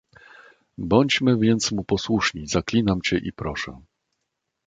"Bądźmy więc mu posłuszni, zaklinam cię i proszę."